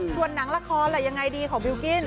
ส่วนหนังละครล่ะยังไงดีของบิลกิ้น